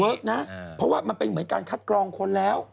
เพราะว่ามันเป็นเหมือนการคัดกรองคนแล้ว